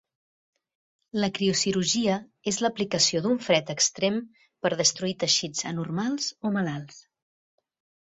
La criocirurgia és l'aplicació d'un fred extrem per destruir teixits anormals o malalts.